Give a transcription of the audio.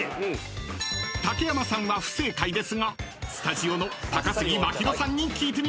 ［竹山さんは不正解ですがスタジオの高杉真宙さんに聞いてみましょう］